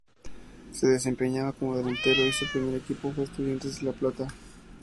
Se desempeñaba como delantero y su primer equipo fue Estudiantes de La Plata.